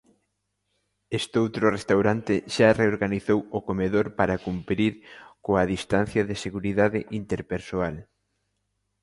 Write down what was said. Estoutro restaurante xa reorganizou o comedor para cumprir coa distancia de seguridade interpersoal.